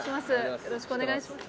よろしくお願いします。